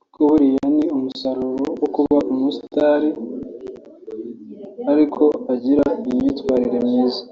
kuko biriya ni umusaruro wo kuba umu star ariko akagira n’imyitwarire myiza